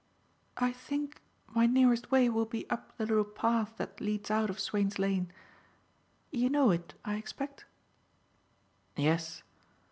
"I think my nearest way will be up the little path that leads out of Swain's Lane. You know it, I expect?" "Yes.